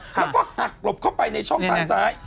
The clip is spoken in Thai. แล้วก็หักหลบเข้าไปในช่องทางซ้าย